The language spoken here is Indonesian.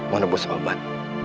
mau nebus obat